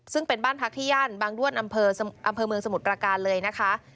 ซึ่งเป็นบ้านพักที่ย่านบางด้วนอำเภอเมืองสมุทรประการเลยนะคะ